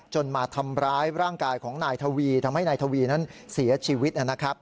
มาทำร้ายร่างกายของนายทวีทำให้นายทวีนั้นเสียชีวิตนะครับ